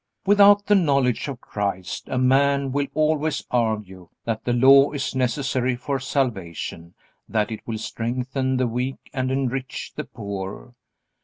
Without the knowledge of Christ a man will always argue that the Law is necessary for salvation, that it will strengthen the weak and enrich the poor.